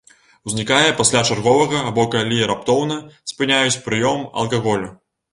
Узнікае пасля чарговага або калі раптоўна спыняюць прыём алкаголю.